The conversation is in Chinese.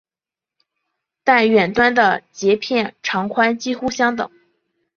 但远端的节片长宽几近相等。